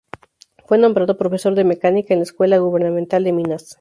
Fue nombrado profesor de mecánica, en la Escuela Gubernamental de Minas.